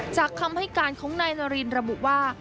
คำให้การของนายนารินระบุว่า